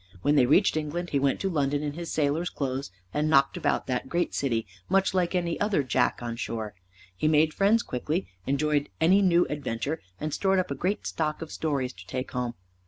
When they reached England he went to London in his sailor's clothes, and knocked about that great city much like any other jack on shore. He made friends quickly, enjoyed any new adventure, and stored up a great stock of stories to take home.